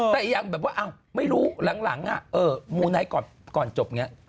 แต่ยังแบบว่าไม่รู้หลังมูไนท์ก่อนจบอย่างนี้